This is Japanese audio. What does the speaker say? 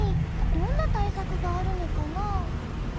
どんな対策があるのかな？